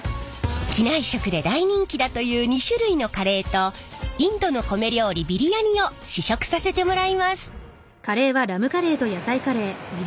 機内食で大人気だという２種類のカレーとインドの米料理ビリヤニを試食させてもらいます。